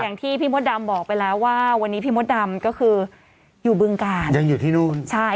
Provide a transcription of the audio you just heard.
อย่างที่พี่มดดำบอกไปแล้วว่าวันนี้พี่มดดำก็คืออยู่เบื้องกาญ